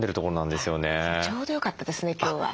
ちょうどよかったですね今日は。